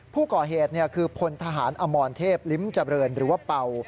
ผู้ก่อเหตุคือพลทหารอมรเทพลิ้มเจริญหรือว่าเป่า